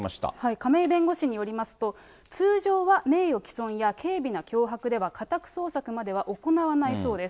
亀井弁護士によりますと、通常は名誉毀損や軽微な脅迫では家宅捜索までは行わないそうです。